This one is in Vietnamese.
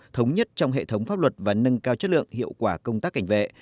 thống nhất trong hệ thống pháp luật và nâng cao chất lượng hiệu quả công tác cảnh vệ